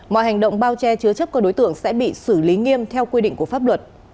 mọi hành động bao che chứa chấp các đối tượng sẽ bị xử lý nghiêm theo quy định của pháp luật